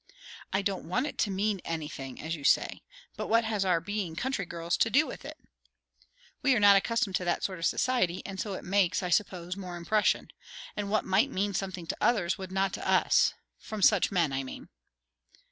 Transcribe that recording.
"I don't want it to 'mean anything,' as you say; but what has our being country girls to do with it?" "We are not accustomed to that sort of society, and so it makes, I suppose, more impression. And what might mean something to others, would not to us. From such men, I mean."